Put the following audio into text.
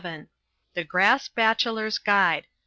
VII. The Grass Bachelor's Guide.